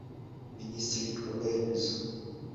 Minisitiri w’Ibikorwaremezo